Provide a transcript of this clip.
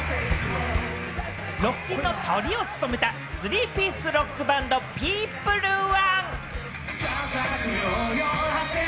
ロッキンのトリを務めたスリーピースロックバンド・ＰＥＯＰＬＥ１。